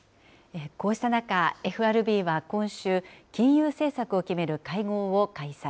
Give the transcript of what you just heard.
こうした中、ＦＲＢは今週、金融政策を決める会合を開催。